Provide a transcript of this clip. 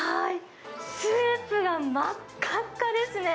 スープが真っ赤っかですね。